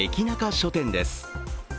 書店です。